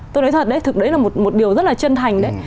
tôi nói thật đấy thực đấy là một điều rất là chân thành đấy